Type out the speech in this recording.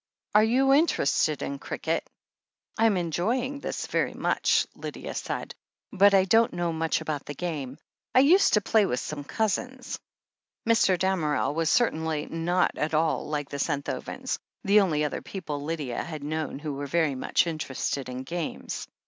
... Are you interested in cricket ?" "I'm enjoying this very much," Lydia said, "but I don't know much about the game. I used to play with some cousins " Mr. Damerel certainly was not at all like the Senthovens, the only other people Lydia had known who were much interested in games.